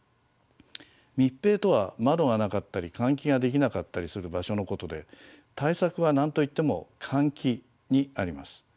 密閉とは窓がなかったり換気ができなかったりする場所のことで対策は何と言っても換気にあります。